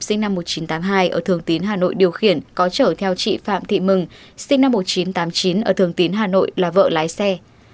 sinh năm một nghìn chín trăm tám mươi hai ở thường tín hà nội điều khiển có chở theo chị phạm thị mừng sinh năm một nghìn chín trăm tám mươi chín ở thường tín hà nội là vợ lái xe